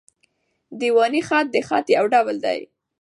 دېواني خط؛ د خط یو ډول دﺉ.